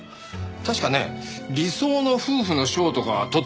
確かね理想の夫婦の賞とか取ってるはずだよ。